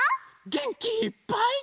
げんきいっぱい。